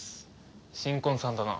新婚さんだな。